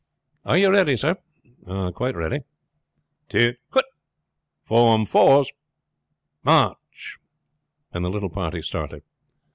Are you ready, sir?" "Quite ready. Attention! Form fours! March!" and the little party started.